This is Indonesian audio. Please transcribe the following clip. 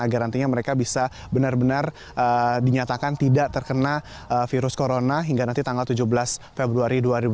agar nantinya mereka bisa benar benar dinyatakan tidak terkena virus corona hingga nanti tanggal tujuh belas februari dua ribu dua puluh